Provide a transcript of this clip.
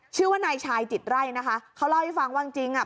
ชื่อว่านายชายจิตไร่นะคะเขาเล่าให้ฟังว่าจริงอ่ะ